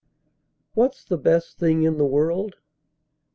What's the best thing in the world?